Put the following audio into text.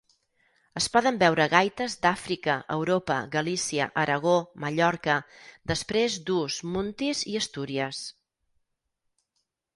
Es poden veure gaites d'Àfrica, Europa, Galícia, Aragó, Mallorca, Després d'ús Muntis i Astúries.